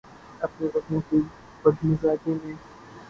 اپنے زخموں کی بد مزاجی میں